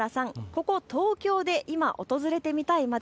ここ東京で今、訪れてみたい街